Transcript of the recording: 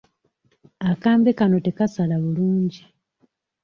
Akambe kano tekasala bulungi.